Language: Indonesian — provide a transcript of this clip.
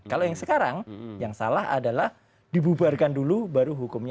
kalau yang sekarang yang salah adalah dibubarkan dulu baru hukumnya